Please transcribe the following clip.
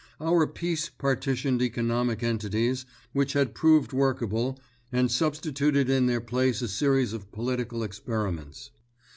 Our Peace partitioned economic entities, which had proved workable, and substituted in their place a series of political experiments.